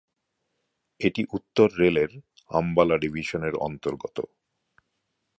এটি উত্তর রেল-এর আম্বালা ডিভিশনের অন্তর্গত।